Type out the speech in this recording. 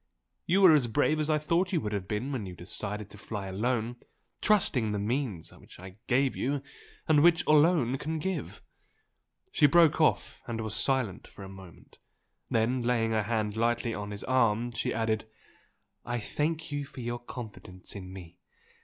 You were as brave as I thought you would be when you decided to fly alone, trusting to the means I gave you and which I alone can give!" She broke off and was silent for a moment, then laying her hand lightly on his arm, she added "I thank you for your confidence in me!